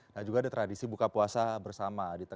nah juga ada tradisi buka puasa bersama